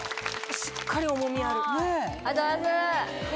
しっかり重みある。